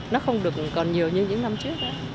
nó không được còn nhiều như những năm trước